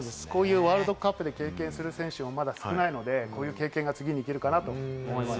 ワールドカップで経験する選手もまだ少ないので、この経験が次に生きるかなと思います。